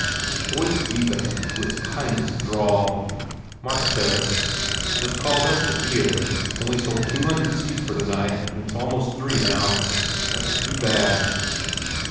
The voice deepened to its kindest drawl. Mark said, "Just called up the theatre. Only sold two hundred seats for tonight and its almost three, now. That s too bad."